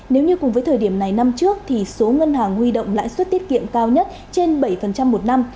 nếu như cùng với thời điểm này năm trước thì số ngân hàng huy động lãi suất tiết kiệm cao nhất trên bảy một năm